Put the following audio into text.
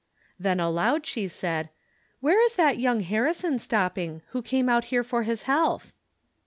Then aloud, she said :" Where is that young Harrison stop ping, who came out here for his health